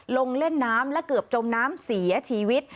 ลงเล่นน้ำและเกือบจมน้ำเสียชีวิต